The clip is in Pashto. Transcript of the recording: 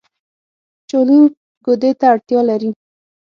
کچالو ګودې ته اړتيا لري